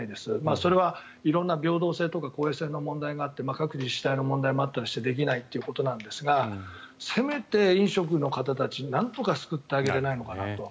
それは色んな平等性とか公平性の問題とか各自治体の問題もあってできないっていうことなんですがせめて飲食の方たちなんとか救ってあげれないのかなと。